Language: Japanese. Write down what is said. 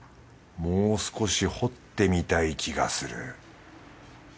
もう少し掘ってみたい気がする